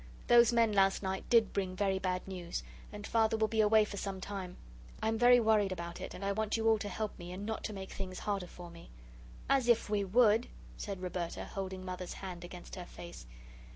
Those men last night did bring very bad news, and Father will be away for some time. I am very worried about it, and I want you all to help me, and not to make things harder for me." "As if we would!" said Roberta, holding Mother's hand against her face.